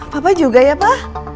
papa juga ya pa